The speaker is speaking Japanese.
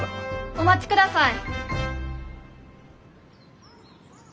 お待ちください。